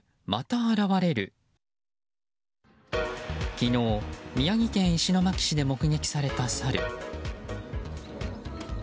昨日、宮城県石巻市で目撃されたサル。